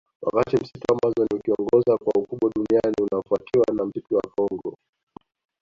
Wakati Msitu wa Amazon ukiongoza kwa ukubwa duniani unafuatiwa na msitu wa Kongo